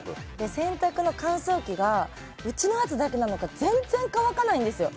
洗濯の乾燥機がうちのやつだけなのか全然乾かないんですよ。